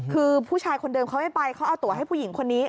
คือผู้ชายคนเดิมเขาไม่ไปเขาเอาตัวให้ผู้หญิงคนนี้